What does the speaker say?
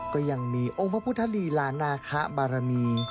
ก็ยังมีองค์พระพุทธลีลานาคะบารมี